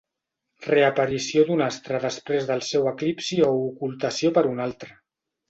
Reaparició d'un astre després del seu eclipsi o ocultació per un altre.